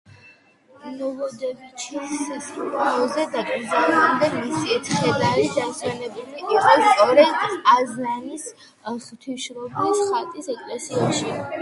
ნოვოდევიჩის სასაფლაოზე დაკრძალვამდე მისი ცხედარი დასვენებული იყო სწორედ ყაზანის ღვთისმშობლის ხატის ეკლესიაში.